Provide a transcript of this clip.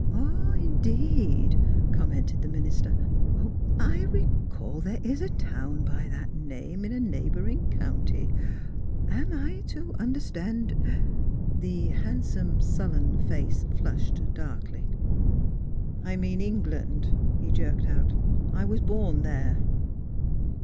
" Ah, indeed !" commented the minister. " But I recall that there is a town by that name in a neighboring county am I to under stand " The handsome, sullen face flushed darkly. " I mean England," he jerked out. " I was born there."